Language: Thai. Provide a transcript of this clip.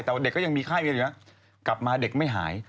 แต่ว่าเด็กก็ยังมีไข้กันอยู่นะกลับมาเด็กไม่หาย